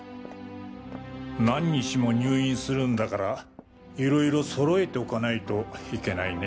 何日も入院するんだからいろいろ揃えておかないといけないね。